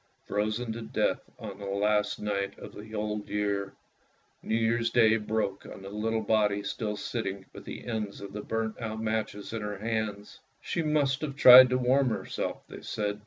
Frozen to death on the last night of the old year. New Year's Day broke on the little body still sitting with the ends of the burnt out matches in her hand. She must have tried to warm herself, they said.